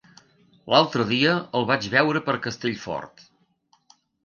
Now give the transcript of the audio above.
L'altre dia el vaig veure per Castellfort.